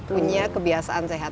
punya kebiasaan sehat